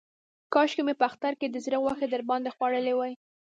کاشکې مې په اختر کې د زړه غوښې در باندې خوړلې وای.